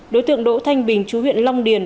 đối tượng đỗ thanh bình chú huyện long điền